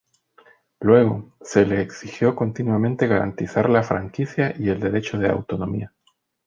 Luego, se le exigió continuamente garantizar la franquicia y el derecho de autonomía.